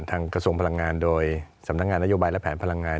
กระทรวงพลังงานโดยสำนักงานนโยบายและแผนพลังงาน